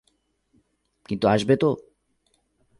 কিন্তু আসবে তো?